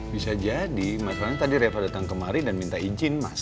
bisa jadi masalah tadi reva datang kemari dan minta izin mas